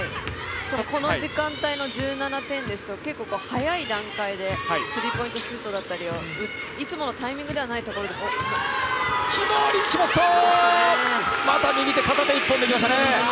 この時間帯の１７点ですと結構、早い段階でスリーポイントシュートだったりいつものタイミングのところではないところでまた片手一本できましたね。